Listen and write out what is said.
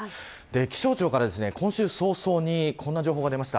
気象庁から今週早々にこんな情報が出ました。